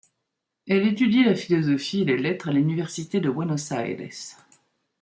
Elle étudie la philosophie et les lettres à l'université de Buenos Aires.